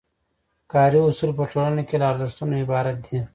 کاري اصول په ټولنه کې له ارزښتونو عبارت دي.